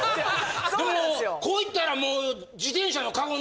でもこういったらもう。